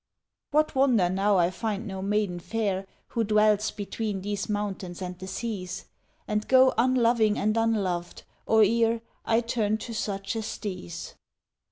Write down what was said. What wonder now I find no maiden fair Who dwells between these mountains and the seas? And go unloving and unloved, or ere I turn to such as these.